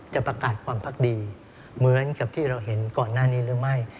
จะประกาศความพักดีเหมือนกับที่เราเห็นก่อนหน้านี้หรือไม่